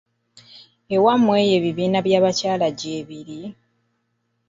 Ewammwe eyo ebibiina bya bakyala gyebiri.